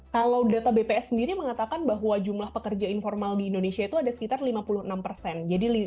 kalau data bps sendiri mengatakan bahwa jumlah pekerja informal di indonesia itu ada sekitar lima puluh enam persen